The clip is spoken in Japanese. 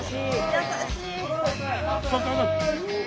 優しい。